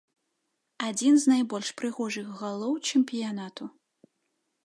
Адзін з найбольш прыгожых галоў чэмпіянату.